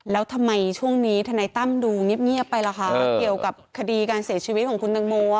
แล้วทำไมช่วงนี้ทนายตั้มดูเงียบไปล่ะคะเกี่ยวกับคดีการเสียชีวิตของคุณตังโม